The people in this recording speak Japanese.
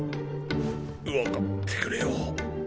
わかってくれよ。